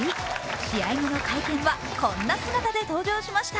試合後の会見はこんな姿で登場しました。